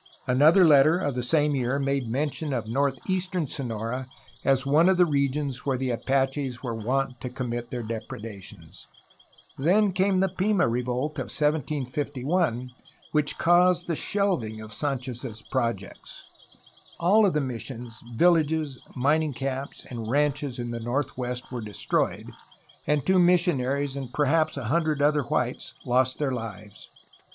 Another letter of the same year made mention of north eastern Sonora as one of the regions where the Apaches were wont to commit their depredations. Then came the Pima revolt of 1751 which caused the shelving of Sanchez's projects. All of the missions, villages, mining camps, and ranches in the northwest were destroyed, and two mis sionaries and perhaps a hundred other whites lost their Hves.